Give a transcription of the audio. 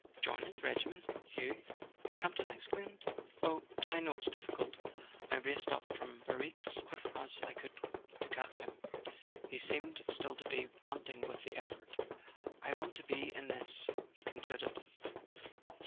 "Join his regiment— you!" Campton exclaimed. "Oh, I know it's difficult; I raced up from Biarritz quick as I could to catch him." He seemed still to be panting with the effort. "I want to be in this," he con¬ cluded.